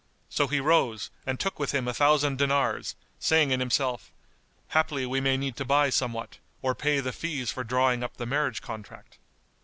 So he rose and took with him a thousand dinars, saying in himself, "Haply we may need to buy somewhat or pay the fees for drawing up the marriage contract."